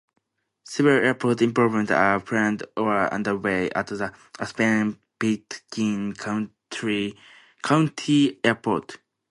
Several airport improvements are planned or underway at the Aspen-Pitkin County Airport.